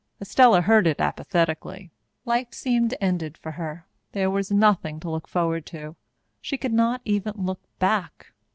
Estella heard it apathetically. Life seemed ended for her. There was nothing to look forward to. She could not even look back.